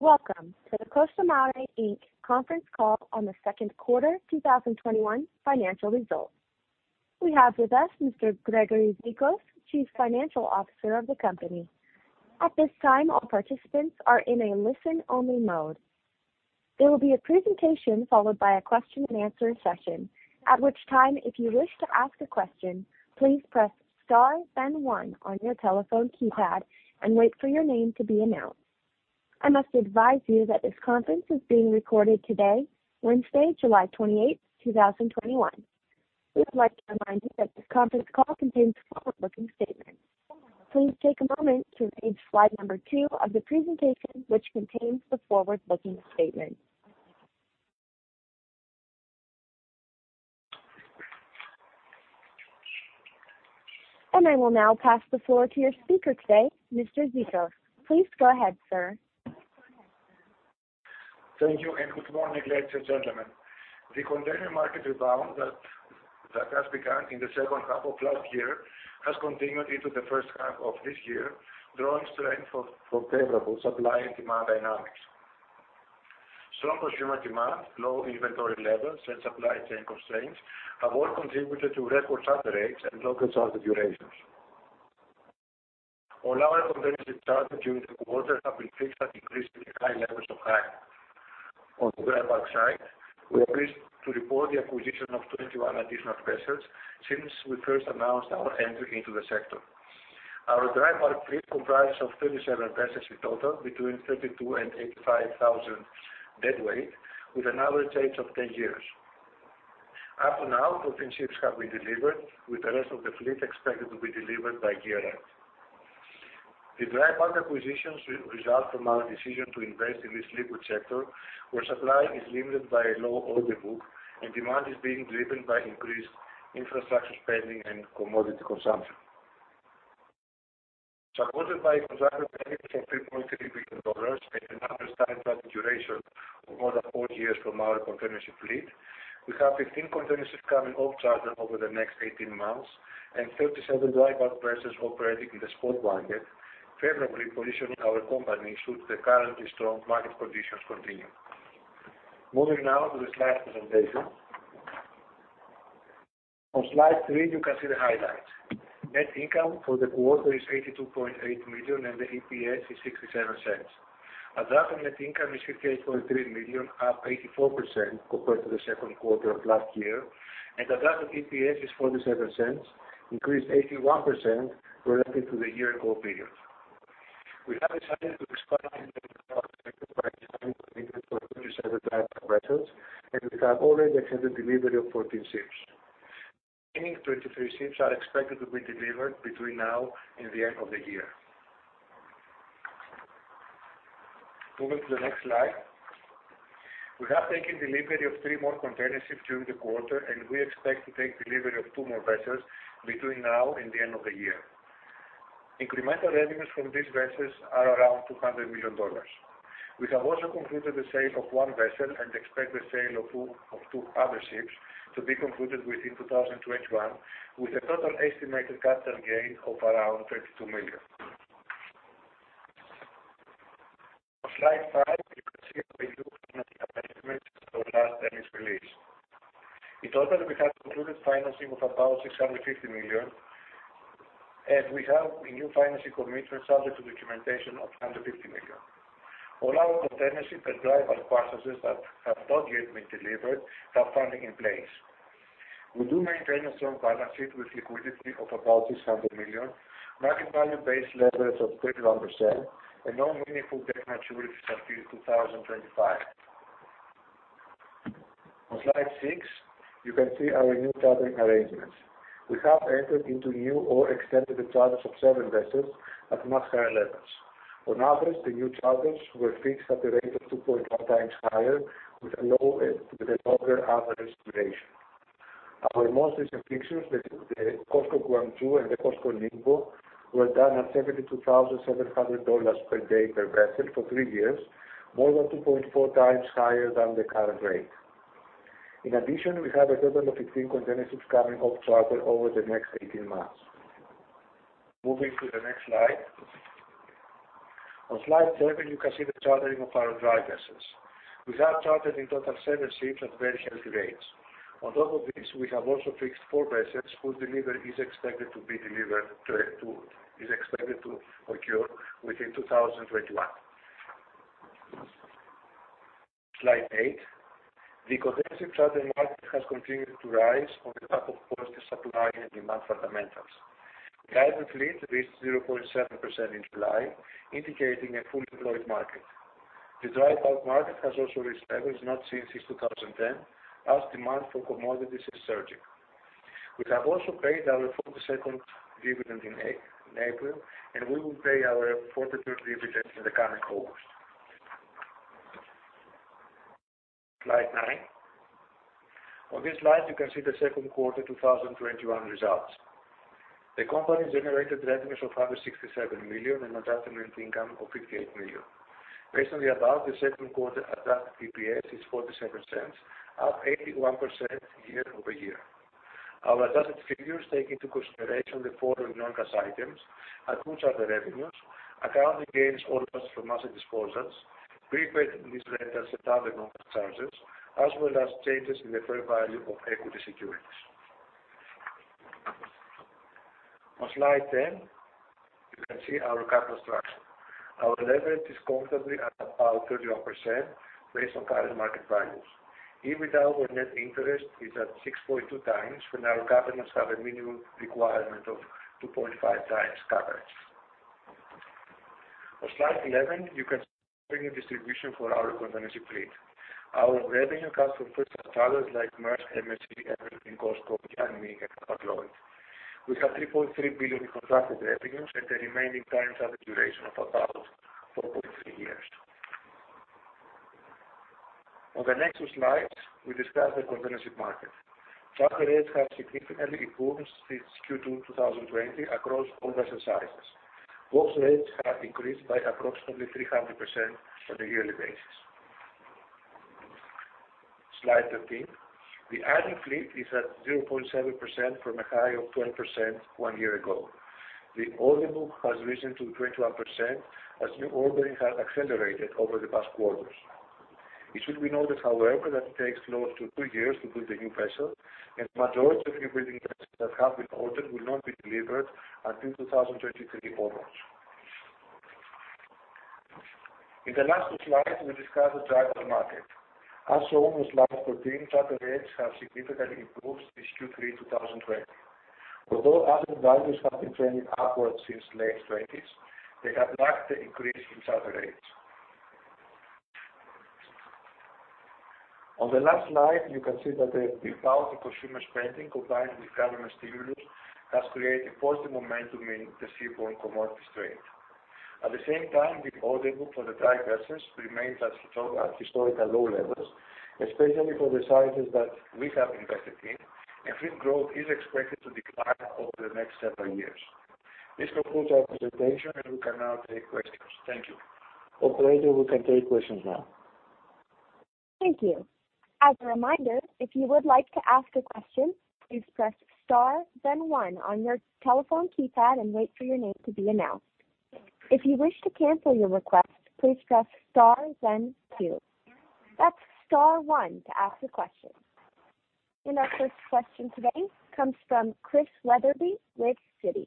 Welcome to the Costamare Inc conference call on the Q2 2021 financial results. We have with us Mr. Gregory Zikos, Chief Financial Officer of the company. I must advise you that this conference is being recorded today, Wednesday, July 28th, 2021. We would like to remind you that this conference call contains forward-looking statements. Please take a moment to read slide number two of the presentation, which contains the forward-looking statement. I will now pass the floor to your speaker today, Mr. Zikos. Please go ahead, sir. Thank you. Good morning, ladies and gentlemen. The continuing market rebound that has begun in the second half of last year has continued into the first half of this year, drawing strength from favorable supply and demand dynamics. Strong consumer demand, low inventory levels, and supply chain constraints have all contributed to record charter rates and longer charter durations. All our containership charters during the quarter have been fixed at increasingly high levels of hire. On the dry bulk side, we are pleased to report the acquisition of 21 additional vessels since we first announced our entry into the sector. Our dry bulk fleet comprises of 37 vessels in total between 32 and 85,000 deadweight with an average age of 10 years. Up to now, 14 ships have been delivered with the rest of the fleet expected to be delivered by year end. The dry bulk acquisitions result from our decision to invest in this liquid sector, where supply is limited by a low order book and demand is being driven by increased infrastructure spending and commodity consumption. Supported by contracted revenues of $3.3 billion and an average time charter duration of more than four years from our containership fleet, we have 15 containerships coming off charter over the next 18 months and 37 dry bulk vessels operating in the spot market, favorably positioning our company should the currently strong market conditions continue. Moving now to the slide presentation. On slide three, you can see the highlights. Net income for the quarter is $82.8 million and the EPS is $0.67. Adjusted net income is $58.3 million, up 84% compared to the second quarter of last year, and adjusted EPS is $0.47, increased 81% relative to the year ago period. We have decided to expand into the dry bulk sector by signing commitments for 27 dry bulk vessels, and we have already accepted delivery of 14 ships. The remaining 23 ships are expected to be delivered between now and the end of the year. Moving to the next slide. We have taken delivery of three more containerships during the quarter, and we expect to take delivery of two more vessels between now and the end of the year. Incremental revenues from these vessels are around $200 million. We have also completed the sale of one vessel and expect the sale of two other ships to be concluded within 2021 with a total estimated capital gain of around $32 million. On slide five, you can see our new financing arrangements from last earnings release. In total, we have concluded financing of about $650 million, and we have new financing commitments subject to documentation of $150 million. All our containership and dry bulk purchases that have not yet been delivered have funding in place. We do maintain a strong balance sheet with liquidity of about $600 million, market value-based leverage of 31%, and no meaningful debt maturities until 2025. On slide six, you can see our new chartering arrangements. We have entered into new or extended the charters of seven vessels at much higher levels. On average, the new charters were fixed at a rate of 2.1x higher with a longer average duration. Our most recent fixings, the COSCO Guangzhou and the COSCO Ningbo, were done at $72,700 per day per vessel for three years, more than 2.4x higher than the current rate. In addition, we have a total of 15 containerships coming off charter over the next 18 months. Moving to the next slide. On slide seven, you can see the chartering of our dry vessels. We have chartered in total seven ships at very healthy rates. On top of this, we have also fixed four vessels whose delivery is expected to occur within 2021. Slide eight. The containership charter market has continued to rise on the back of positive supply and demand fundamentals. The average fleet reached 0.7% in July, indicating a fully employed market. The dry bulk market has also reached levels not seen since 2010 as demand for commodities is surging. We have also paid our 42nd dividend in April, and we will pay our 43rd dividend in the coming August. Slide nine. On this slide, you can see the second quarter 2021 results. The company generated revenues of $167 million and adjusted net income of $58 million. Based on the above, the second quarter adjusted EPS is $0.47, up 81% year-over-year. Our adjusted figures take into consideration the following non-cash items, the revenues, accounting gains or loss from asset disposals, prepaid lease rentals and other non-cash charges, as well as changes in the fair value of equity securities. On slide 10, you can see our capital structure. Our leverage is comfortably at about 31%, based on current market values. EBITDA over net interest is at 6.2x when our covenants have a minimum requirement of 2.5x coverage. On slide 11, you can see revenue distribution for our containership fleet. Our revenue comes from first-tier charters like Maersk, MSC, Evergreen, COSCO and Yang Ming, among others. We have $3.3 billion in contracted revenues and the remaining times have a duration of about 4.3 years. On the next two slides, we discuss the containership market. Charter rates have significantly improved since Q2 2020 across all vessel sizes. Spot rates have increased by approximately 300% on a yearly basis. Slide 13. The idle fleet is at 0.7% from a high of 12% one year ago. The order book has risen to 21% as new ordering has accelerated over the past quarters. It should be noted, however, that it takes close to two years to build a new vessel, and the majority of newbuilding vessels that have been ordered will not be delivered until 2023 onwards. In the last two slides, we discuss the dry bulk market. As shown on slide 14, charter rates have significantly improved since Q3 2020. Although asset values have been trending upwards since late 2020, they have lacked the increase in charter rates. On the last slide, you can see that the power to consumer spending, combined with government stimulus, has created positive momentum in the seaborne commodities trade. At the same time, the order book for the dry vessels remains at historical low levels, especially for the sizes that we have invested in, and fleet growth is expected to decline over the next several years. This concludes our presentation, and we can now take questions. Thank you. Operator, we can take questions now. Thank you. As a reminder, if you would like to ask a question, please press star then one on your telephone keypad and wait for your name to be announced. If you wish to cancel your request, please press star then two. That's star one to ask a question. Our first question today comes from Christian Wetherbee with Citi.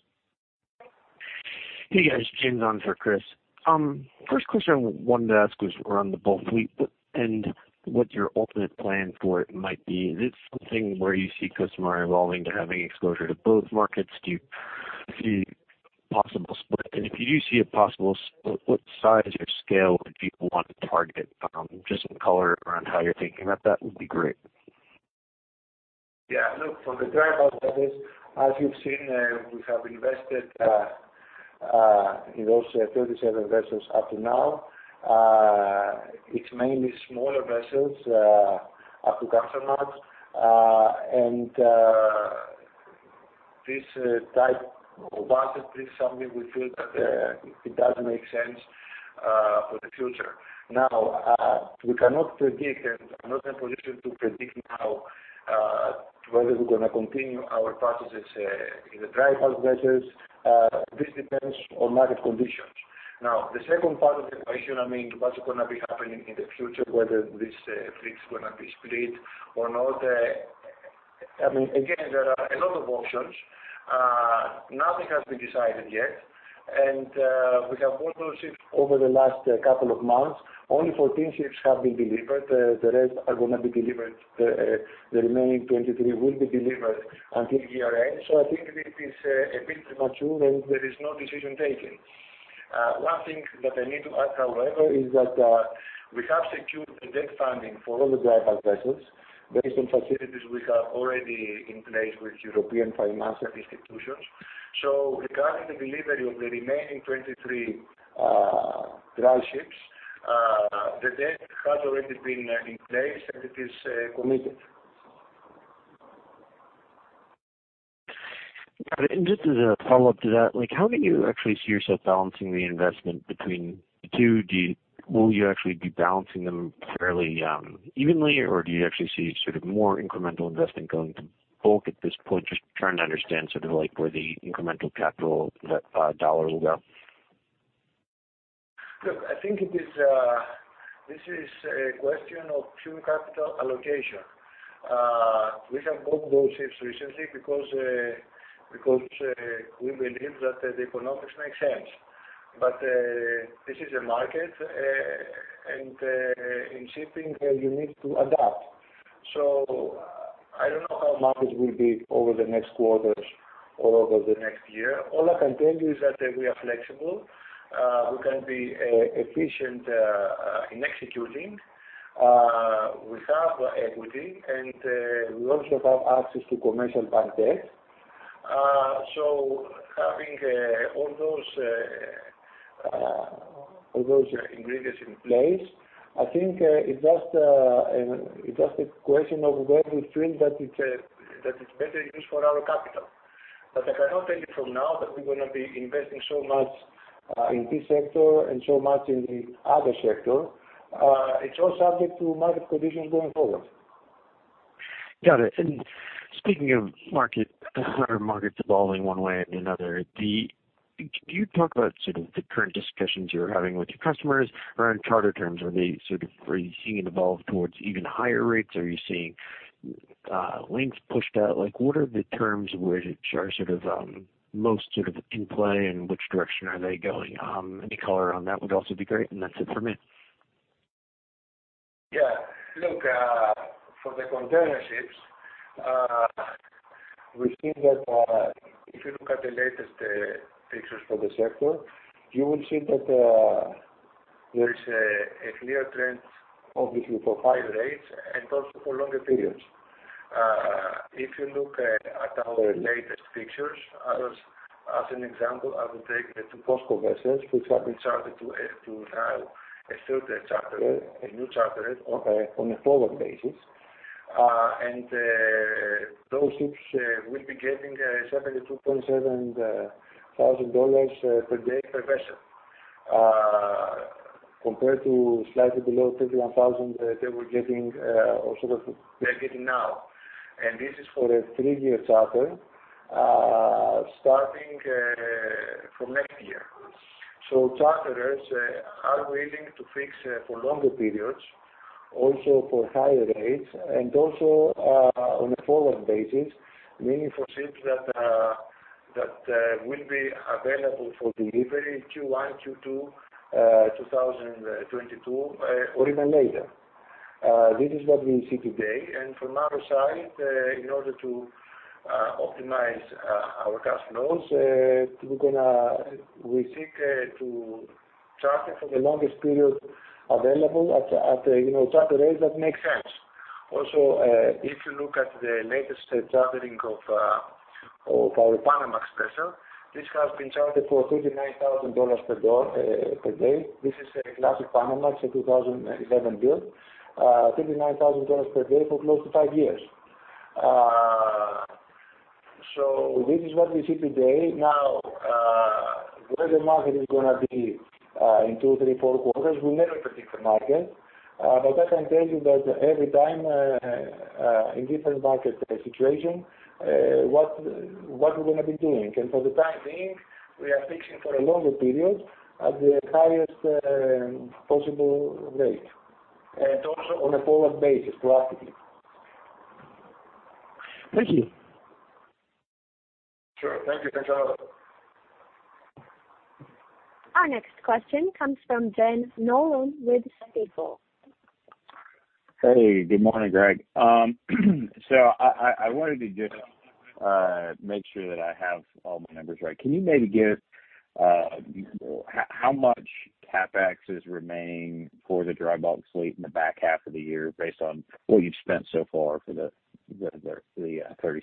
Hey, guys. Jim's on for Chris. First question I wanted to ask was around the bulk fleet and what your ultimate plan for it might be. Is it something where you see Costamare evolving to having exposure to both markets? Do you see possible split? If you do see a possible split, what size or scale would you want to target? Just some color around how you're thinking about that would be great. Yeah, look, for the dry bulk vessels, as you've seen, we have invested in those 37 vessels up to now. It's mainly smaller vessels up to Capesize, and this type of asset is something we feel that it does make sense for the future. We cannot predict and are not in a position to predict now whether we're going to continue our purchases in the dry bulk vessels. This depends on market conditions. The second part of the question, what's going to be happening in the future, whether this fleet is going to be split or not. There are a lot of options. Nothing has been decided yet. We have bought those ships over the last couple of months. Only 14 ships have been delivered. The rest are going to be delivered, the remaining 23 will be delivered until year end. I think it is a bit premature and there is no decision taken. One thing that I need to add, however, is that we have secured the debt funding for all the dry bulk vessels based on facilities we have already in place with European financial institutions. Regarding the delivery of the remaining 23 dry ships, the debt has already been in place, and it is committed. Got it. Just as a follow-up to that, how do you actually see yourself balancing the investment between the two? Will you actually be balancing them fairly evenly, or do you actually see more incremental investment going to bulk at this point? Just trying to understand where the incremental capital dollar will go. Look, I think this is a question of pure capital allocation. We have bought those ships recently because we believe that the economics make sense. This is a market, and in shipping, you need to adapt. I don't know how markets will be over the next quarters or over the next year. All I can tell you is that we are flexible. We can be efficient in executing. We have equity, and we also have access to commercial bank debt. Having all those ingredients in place, I think it's just a question of where we feel that it's better use for our capital. But I cannot tell you from now that we're going to be investing so much in this sector and so much in the other sector. It's all subject to market conditions going forward. Got it. Speaking of how the market's evolving one way and another, can you talk about sort of the current discussions you're having with your customers around charter terms? Are you seeing it evolve towards even higher rates? Are you seeing lengths pushed out? What are the terms which are most in play and which direction are they going? Any color on that would also be great, and that's it for me. Yeah. Look, for the containerships, if you look at the latest figures for the sector, you will see that there is a clear trend, obviously, for higher rates and also for longer periods. If you look at our latest figures, as an example, I will take the two Post-Panamax vessels which have been chartered to have a third charter, a new charter on a forward basis. Those ships will be getting $72,700 per day per vessel, compared to slightly below $31,000 they were getting, or sort of they're getting now. This is for a three-year charter, starting from next year. Charterers are willing to fix for longer periods, also for higher rates, and also on a forward basis, meaning for ships that will be available for delivery Q1, Q2 2022, or even later. This is what we see today. From our side, in order to optimize our cash flows, we seek to charter for the longest period available at a charter rate that makes sense. If you look at the latest chartering of our Panamax vessel, this has been chartered for $39,000 per day. This is a classic Panamax, a 2011 build, $39,000 per day for close to five years. This is what we see today. Where the market is going to be in two, three, four quarters, we never predict the market. I can tell you that every time, in different market situations, what we're going to be doing. For the time being, we are fixing for a longer period at the highest possible rate, and also on a forward basis, proactively. Thank you. Sure. Thank you. Thanks a lot. Our next question comes from Ben Nolan with Stifel. Good morning, Greg. I wanted to just make sure that I have all my numbers right. Can you maybe give how much CapEx is remaining for the dry bulk fleet in the back half of the year, based on what you've spent so far for the 37?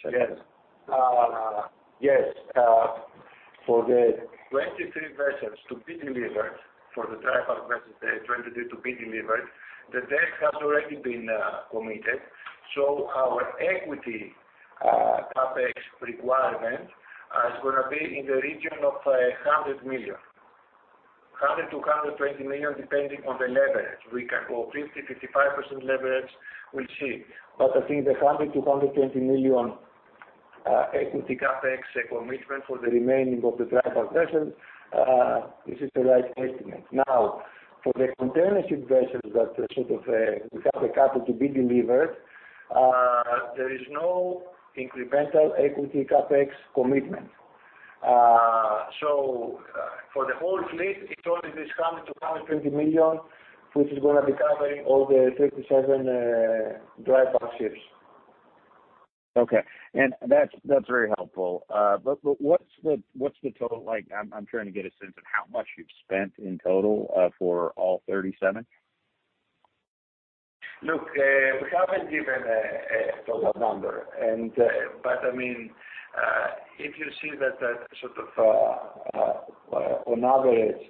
Yes. For the 23 vessels to be delivered, for the dry bulk vessels, the 23 to be delivered, the debt has already been committed, our equity CapEx requirement is going to be in the region of $100 million. $100 million-$120 million, depending on the leverage. We can go 50%, 55% leverage. We'll see. I think the $100 million-$120 million equity CapEx commitment for the remaining of the dry bulk vessels, this is the right estimate. Now, for the containerships that we have a couple to be delivered, there is no incremental equity CapEx commitment. For the whole fleet, it only is $100 million-$120 million, which is going to be covering all the 37 dry bulk ships. Okay. That's very helpful. What's the total like? I’m trying to get a sense of how much you've spent in total for all 37. Look, we haven't given a total number. If you see that sort of on average,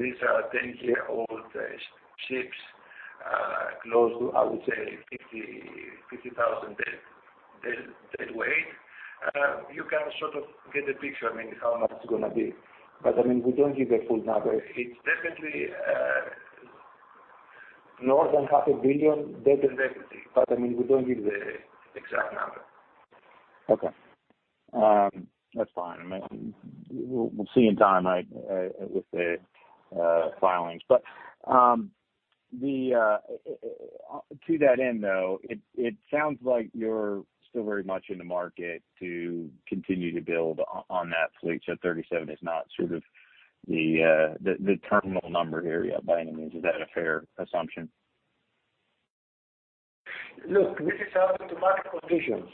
these are 10-year-old ships, close to, I would say, 50,000 deadweight. You can sort of get a picture, I mean, how much it's going to be. We don't give a full number. It's definitely more than $500 million debt and equity, but we don't give the exact number. Okay. That's fine. We'll see in time with the filings. To that end, though, it sounds like you're still very much in the market to continue to build on that fleet, so 37 is not sort of the terminal number here by any means. Is that a fair assumption? Look, this is up to market conditions.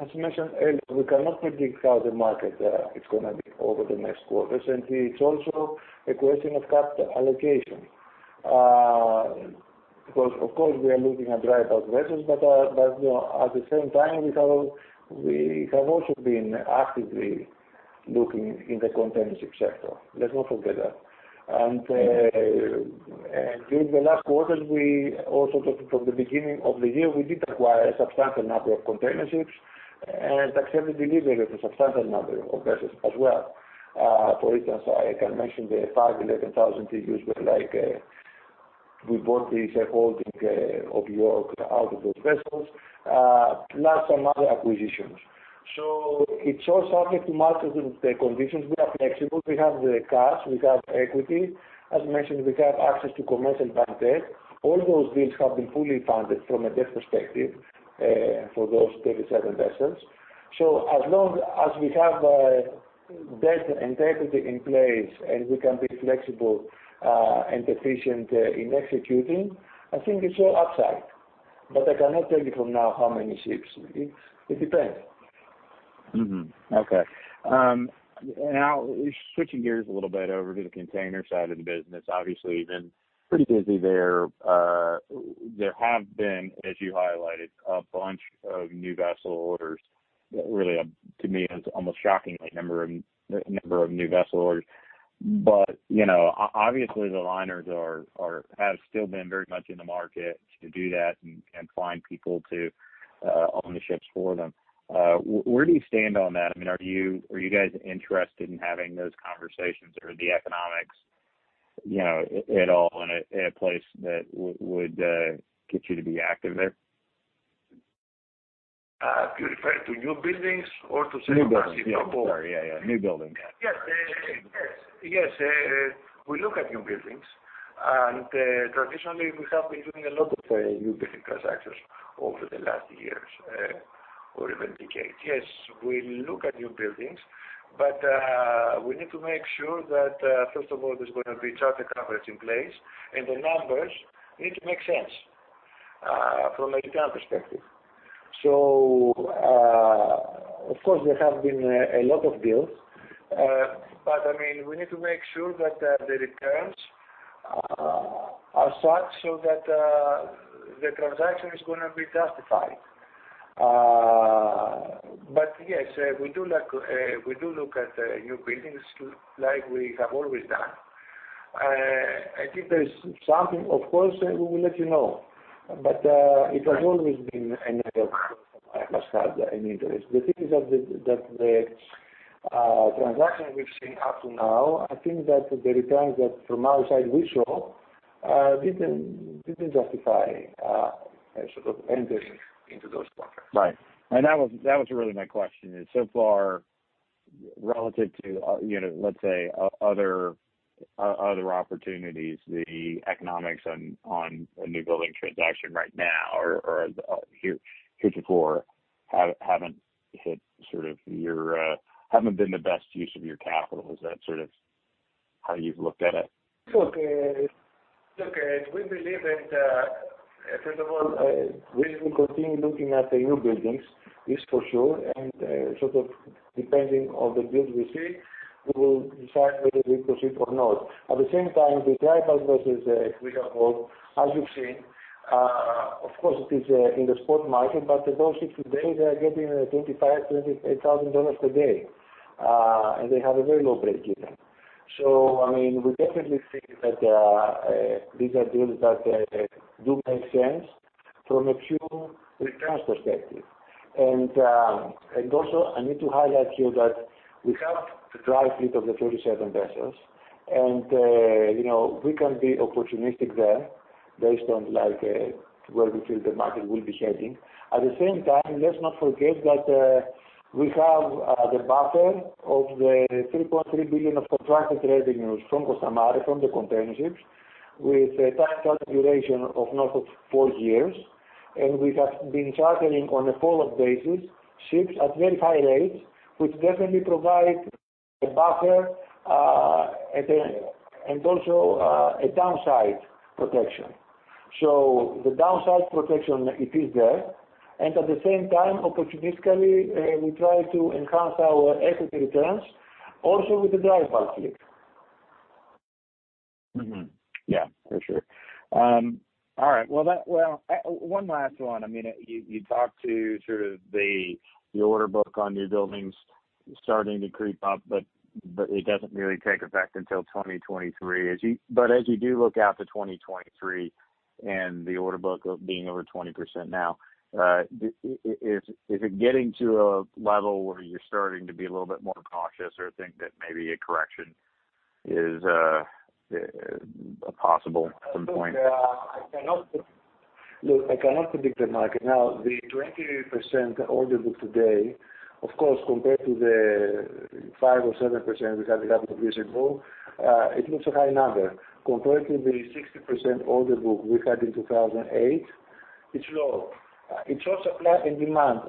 As mentioned earlier, we cannot predict how the market is going to be over the next quarters. It's also a question of capital allocation. Of course, we are looking at dry bulk vessels, but at the same time, we have also been actively in the containership sector. Let's not forget that. During the last quarters, we also took it from the beginning of the year, we did acquire a substantial number of containerships and accepted delivery of a substantial number of vessels as well. For instance, I can mention the five 11,000 TEUs where we bought the York Capital Management out of those vessels, plus some other acquisitions. It's all subject to market conditions. We are flexible. We have the cash, we have equity. As mentioned, we have access to commercial bank debt. All those deals have been fully funded from a debt perspective for those 37 vessels. As long as we have debt integrity in place and we can be flexible and efficient in executing, I think it's all upside. I cannot tell you from now how many ships. It depends. Okay. Now switching gears a little bit over to the container side of the business, obviously you've been pretty busy there. There have been, as you highlighted, a bunch of new vessel orders. Really, to me, an almost shockingly number of new vessel orders. Obviously the liners have still been very much in the market to do that and find people to own the ships for them. Where do you stand on that? Are you guys interested in having those conversations or the economics at all in a place that would get you to be active there? You refer to newbuildings or to secondhand ships? Newbuildings. Sorry, yeah. Newbuildings. Yes. We look at newbuildings and traditionally we have been doing a lot of newbuilding transactions over the last years or even decades. Yes, we look at newbuildings, but we need to make sure that, first of all, there's going to be charter coverage in place and the numbers need to make sense from a return perspective. Of course, there have been a lot of deals. We need to make sure that the returns are such so that the transaction is going to be justified. Yes, we do look at newbuildings like we have always done. I think there is something, of course, we will let you know, but it has always been an area of course, of our focus and interest. The thing is that the transactions we've seen up to now, I think that the returns that from our side we saw didn't justify entering into those contracts. Right. That was really my question is, so far relative to, let's say, other opportunities, the economics on a newbuilding transaction right now or here before haven't been the best use of your capital. Is that sort of how you've looked at it? Look, we believe that, first of all, we will continue looking at the newbuildings, this for sure, and sort of depending on the deals we see, we will decide whether we proceed or not. At the same time, the dry bulk vessels we have bought, as you've seen, of course it is in the spot market, but those ships today they are getting $25,000, $28,000 a day. They have a very low breakeven. We definitely think that these are deals that do make sense from a pure returns perspective. Also I need to highlight here that we have a dry fleet of the 37 vessels, and we can be opportunistic there based on where we feel the market will be heading. At the same time, let's not forget that we have the buffer of the $3.3 billion of contracted revenues from Costamare, from the containerships with a time charter duration of north of four years. We have been chartering on a forward basis ships at very high rates, which definitely provide a buffer and also a downside protection. The downside protection, it is there, and at the same time, opportunistically, we try to enhance our equity returns also with the dry bulk fleet. Mm-hmm. Yeah, for sure. All right. Well, one last one. You talked to sort of the order book on newbuildings starting to creep up, but it doesn't really take effect until 2023. As you do look out to 2023 and the order book being over 20% now, is it getting to a level where you're starting to be a little bit more cautious or think that maybe a correction is possible at some point? Look, I cannot predict the market. The 20% order book today, of course, compared to the 5% or 7% we had a couple of years ago, it looks a high number. Compared to the 60% order book we had in 2008, it's low. It's all supply and demand.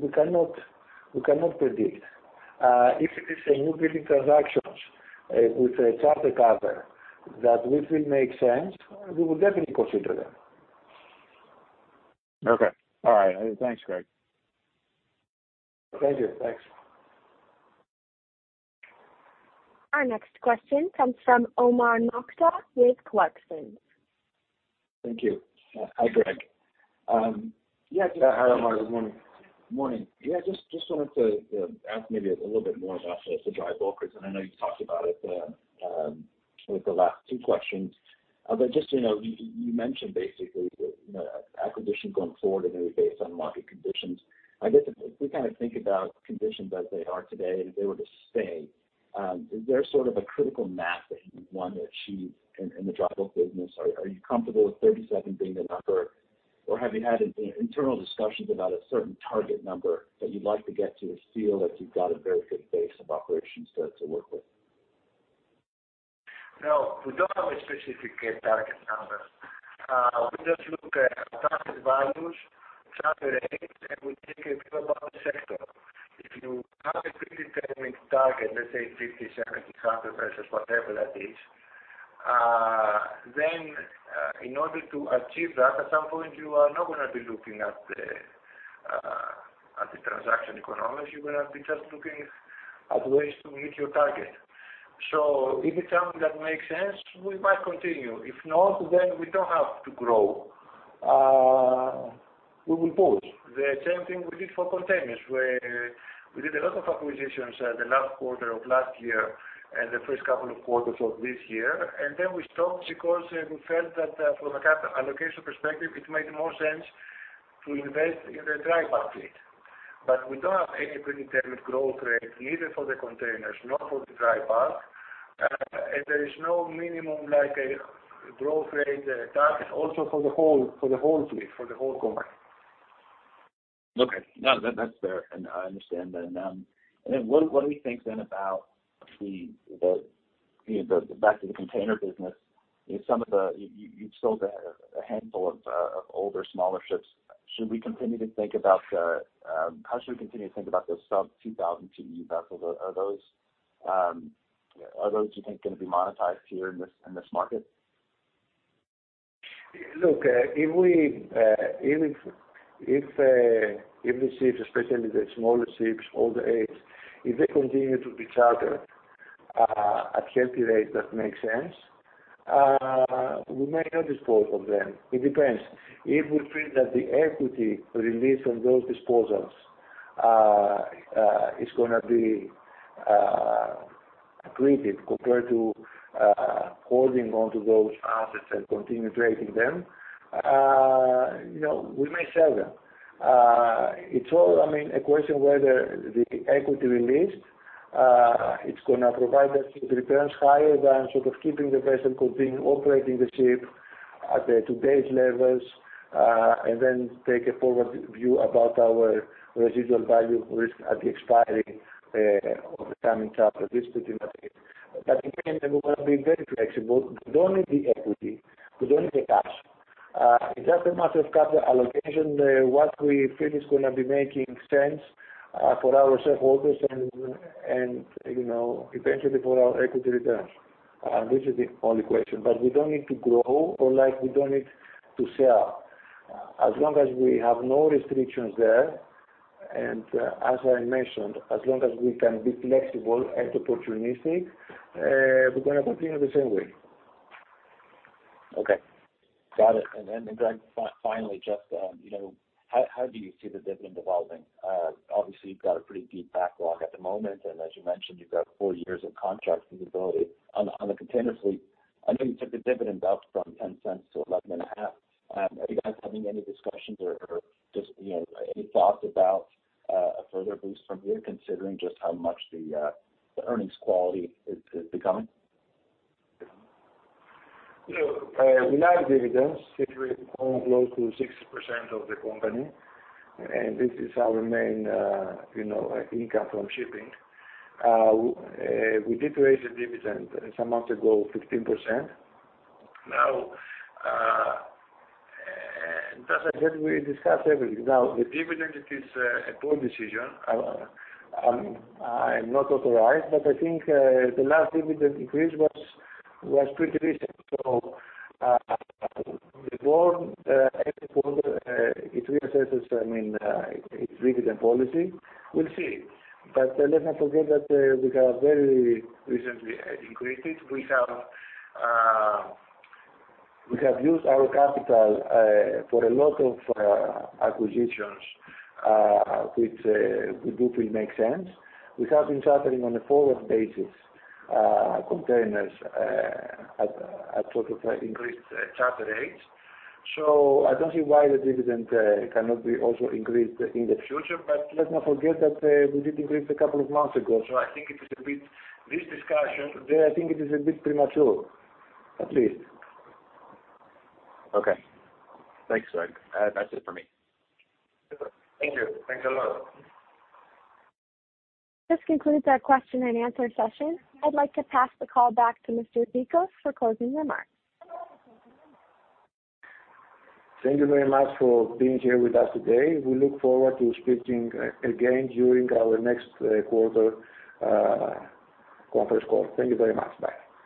We cannot predict. If it is a newbuilding transactions with a charter cover that which will make sense, we will definitely consider that. Okay. All right. Thanks, Greg. Thank you. Thanks. Our next question comes from Omar Nokta with Clarksons. Thank you. Hi, Greg. Yeah. Hi, Omar. Good morning. Morning. Yeah, just wanted to ask maybe a little bit more about the dry bulkers, and I know you talked about it with the last two questions. Just so you know, you mentioned basically the acquisition going forward and really based on market conditions. I guess, if we think about conditions as they are today, and if they were to stay, is there a critical mass that you want to achieve in the dry bulk business? Are you comfortable with 37 being the number, or have you had internal discussions about a certain target number that you'd like to get to feel that you've got a very good base of operations to work with? No. We don't have a specific target number. We just look at target values, charter rates, and we think a bit about the sector. If you have a predetermined target, let's say 50, 70, 100 vessels, whatever that is, then, in order to achieve that, at some point, you are not going to be looking at the transaction economics. You're going to be just looking at ways to meet your target. If it's something that makes sense, we might continue. If not, then we don't have to grow. We will pause. The same thing we did for containers, where we did a lot of acquisitions the last quarter of last year and the first couple of quarters of this year, and then we stopped because we felt that from a capital allocation perspective, it made more sense to invest in the dry bulk fleet. We don't have any predetermined growth rate, neither for the containers, nor for the dry bulk. There is no minimum growth rate target also for the whole fleet, for the whole company. Okay. No, that's fair. I understand that. What do we think then about back to the container business, you've sold a handful of older, smaller ships. How should we continue to think about those sub 2,000 TEU vessels? Are those, you think, going to be monetized here in this market? Look, if these ships, especially the smaller ships, older age, if they continue to be chartered at healthy rates that make sense, we may not dispose of them. It depends. If we feel that the equity released from those disposals is going to be accretive compared to holding onto those assets and continue trading them, we may sell them. It's all a question whether the equity released is going to provide us with returns higher than keeping the vessel, continuing operating the ship at the today's levels, and then take a forward view about our residual value risk at the expiry of the time in charter, this particular case. Again, we want to be very flexible. We don't need the equity. We don't need the cash. It's just a matter of capital allocation, what we feel is going to be making sense for our shareholders and eventually for our equity returns. This is the only question. We don't need to grow or we don't need to sell. As long as we have no restrictions there, and as I mentioned, as long as we can be flexible and opportunistic, we're going to continue the same way. Okay. Got it. Greg, finally, just how do you see the dividend evolving? Obviously, you've got a pretty deep backlog at the moment, as you mentioned, you've got four years of contract visibility on the container fleet. I know you took the dividend up from $0.10-$0.115. Are you guys having any discussions or just any thoughts about a further boost from here, considering just how much the earnings quality is becoming? Look, we like dividends since we own close to 60% of the company, and this is our main income from shipping. We did raise the dividend some months ago, 15%. As I said, we discuss everything. The dividend, it is a board decision. I'm not authorized, but I think the last dividend increase was pretty recent. The board, every quarter, it reassesses its dividend policy. We'll see. Let's not forget that we have very recently increased it. We have used our capital for a lot of acquisitions, which we believe make sense. We have been chartering on a forward basis containers at increased charter rates. I don't see why the dividend cannot be also increased in the future. Let's not forget that we did increase a couple of months ago. I think this discussion there, I think it is a bit premature, at least. Okay. Thanks, Greg. That's it for me. Thank you. Thanks a lot. This concludes our question and answer session. I'd like to pass the call back to Mr. Zikos for closing remarks. Thank you very much for being here with us today. We look forward to speaking again during our next quarter conference call. Thank you very much. Bye.